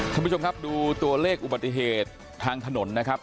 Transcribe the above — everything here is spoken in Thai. คุณผู้ชมครับดูตัวเลขอุบัติเหตุทางถนนนะครับ